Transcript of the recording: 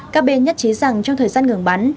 các bên nhất trí rằng trong thời gian ngừng bắn